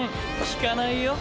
効かないよ。